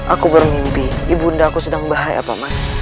aku baru mimpi ibu undaku sedang bahaya paman